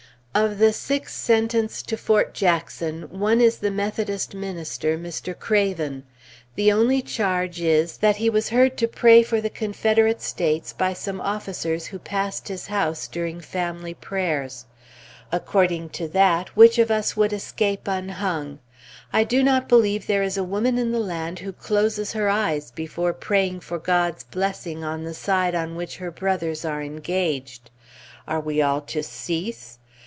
Of the six sentenced to Fort Jackson, one is the Methodist minister, Mr. Craven. The only charge is, that he was heard to pray for the Confederate States by some officers who passed his house during his family prayers. According to that, which of us would escape unhung? I do not believe there is a woman in the land who closes her eyes before praying for God's blessing on the side on which her brothers are engaged. Are we all to cease?